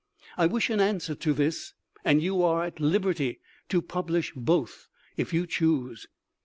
" I wish an answer to this,.and you are at liberty to publish both if you choose.